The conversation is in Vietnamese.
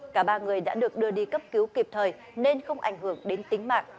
cả ba người đã được đưa đi cấp cứu kịp thời nên không ảnh hưởng đến tính mạng